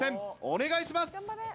お願いします。